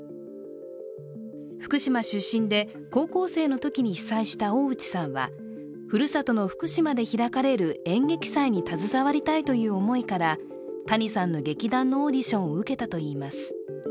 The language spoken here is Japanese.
福島出身で高校生のときに被災した大内さんはふるさとの福島で開かれる演劇祭に携わりたいという思いから谷さんの劇団のオーディションを受けたといいます。